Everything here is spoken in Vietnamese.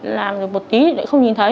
làm được một tí thì lại không nhìn thấy